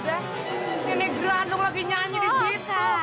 ini negera dong lagi nyanyi di situ